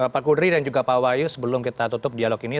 pak kudri dan juga pak wahyu sebelum kita tutup dialog ini